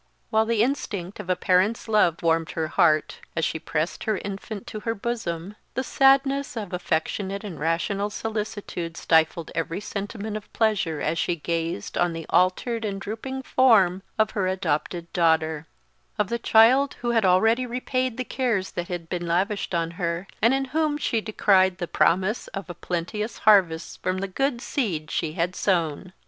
While the instinct of a parent's love warmed her heart, as she pressed her infant to her bosom, the sadness of affectionate and rational solicitude stifled every sentiment of pleasure as she gazed on the altered and drooping form of her adopted daughter of the child who had already repaid the cares that had been lavished on her, and in whom she descried the promise of a plenteous harvest from the good seed she had sown.